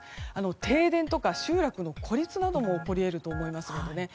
停電とか集落の孤立なども起こり得ると思いますのでね。